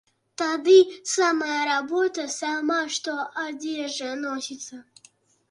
Тады самая работа, сама што адзежа носіцца.